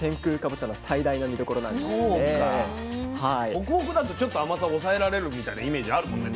ホクホクだとちょっと甘さを抑えられるみたいなイメージあるもんね